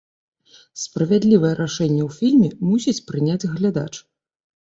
Справядлівае рашэнне ў фільме мусіць прыняць глядач.